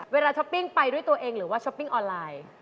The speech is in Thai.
ช้อปปิ้งไปด้วยตัวเองหรือว่าช้อปปิ้งออนไลน์